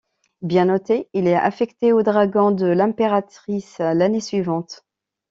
Bien noté, il est affecté aux Dragons de l’Impératrice l'année suivante.